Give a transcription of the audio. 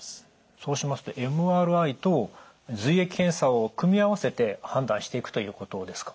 そうしますとＭＲＩと髄液検査を組み合わせて判断していくということですか？